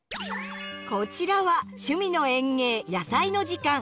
こちらは「趣味の園芸やさいの時間」。